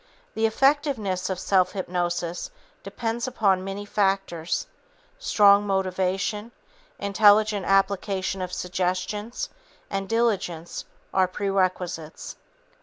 The effectiveness of self hypnosis depends upon many factors. Strong motivation, intelligent application of suggestions and diligence are prerequisites.